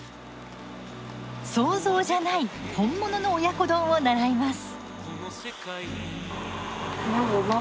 想像じゃない本物の親子丼を習います。